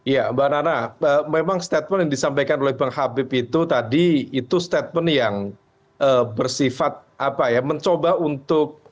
ya mbak nana memang statement yang disampaikan oleh bang habib itu tadi itu statement yang bersifat apa ya mencoba untuk